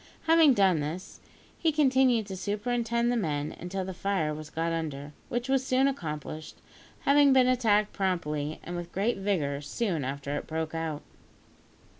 Having done this, he continued to superintend the men until the fire was got under, which was soon accomplished, having been attacked promptly and with great vigour soon after it broke out.